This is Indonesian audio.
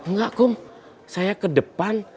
enggak kum saya ke depan